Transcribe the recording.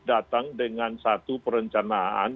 datang dengan satu perencanaan